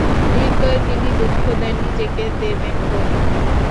নির্দয় তিনি দুঃখ দেন, নিজেকে দেবেন বলেই।